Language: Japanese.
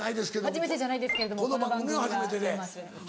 初めてじゃないですけれどもこの番組ははじめまして。